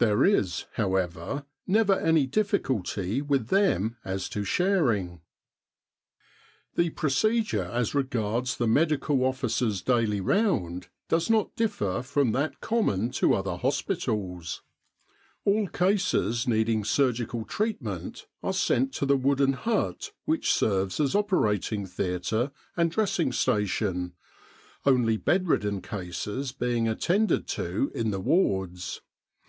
There is, however, never any difficulty with them as to sharing. The procedure as regards the Medical Officer's daily round does not differ from that common to other 288 The Egyptian Labour Corps hospitals. All cases needing surgical treatment are sent to the wooden hut which serves as operating theatre and dressing station, only bed ridden cases being attended to in the wards.